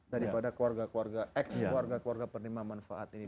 daripada keluarga keluarga ex keluarga keluarga penerima manfaat ini